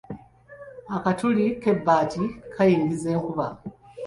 Akatuli k’ebbaati kayingiza enkuba.